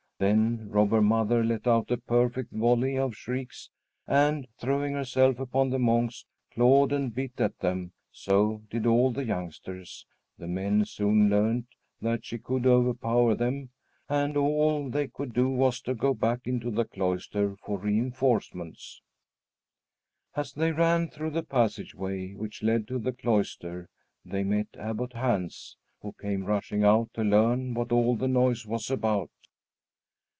Then Robber Mother let out a perfect volley of shrieks, and, throwing herself upon the monks, clawed and bit at them; so did all the youngsters. The men soon learned that she could overpower them, and all they could do was to go back into the cloister for reinforcements. As they ran through the passage way which led to the cloister, they met Abbot Hans, who came rushing out to learn what all this noise was about.